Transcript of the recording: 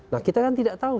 nah kita kan tidak tahu